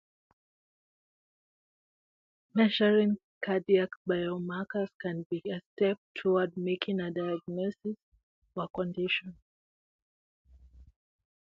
Measuring cardiac biomarkers can be a step toward making a diagnosis for a condition.